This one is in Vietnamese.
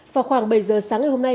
vào khoảng bảy giờ sáng ngày hôm nay